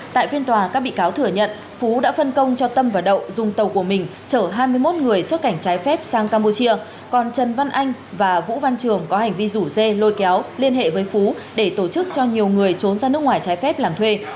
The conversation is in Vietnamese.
tại phiên tòa các bị cáo thừa nhận phú đã phân công cho tâm và đậu dùng tàu của mình chở hai mươi một người xuất cảnh trái phép sang campuchia còn trần văn anh và vũ văn trường có hành vi rủ dê lôi kéo liên hệ với phú để tổ chức cho nhiều người trốn ra nước ngoài trái phép làm thuê